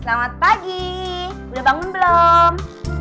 selamat pagi udah bangun belum